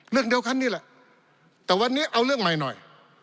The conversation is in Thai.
เรื่องเดียวกันนี่แหละแต่วันนี้เอาเรื่องใหม่หน่อย